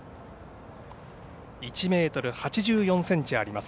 １ｍ８４ｃｍあります